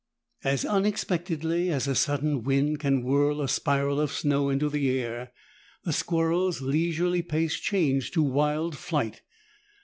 As unexpectedly as a sudden wind can whirl a spiral of snow into the air, the squirrel's leisurely pace changed to wild flight.